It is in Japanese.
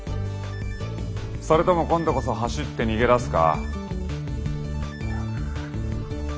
それとも今度こそ走って逃げ出すか？